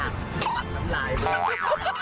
มันน้ำหลายด้วยค่ะ